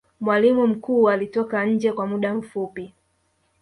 mwalimu mkuu alitoka nje kw muda mfupi